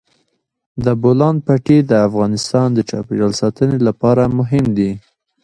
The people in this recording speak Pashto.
د بولان پټي د افغانستان د چاپیریال ساتنې لپاره مهم دي.